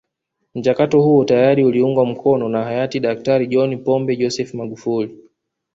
Mchakato huo tayari uliungwa mkono na hayati Daktari John Pombe Joseph Magufuli